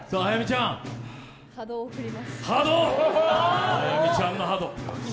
波動を送ります。